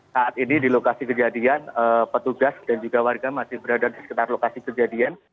saat ini di lokasi kejadian petugas dan juga warga masih berada di sekitar lokasi kejadian